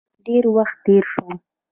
ډیر وخت تیر شو.